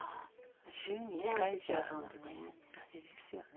週に１回じゃほんとに駄目ですよね。